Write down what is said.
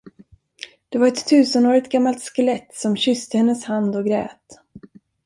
Det var ett tusenårigt gammalt skelett, som kysste hennes hand och grät.